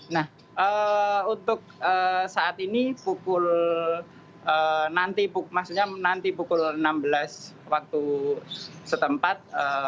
nah untuk saat ini nanti pukul enam belas waktu setempat